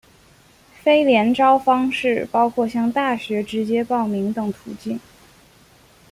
非联招方式包括向大学直接报名等途径。